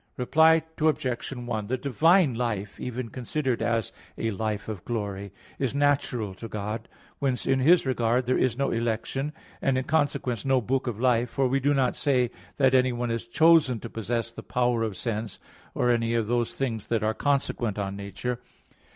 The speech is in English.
Reply Obj. 1: The divine life, even considered as a life of glory, is natural to God; whence in His regard there is no election, and in consequence no book of life: for we do not say that anyone is chosen to possess the power of sense, or any of those things that are consequent on nature.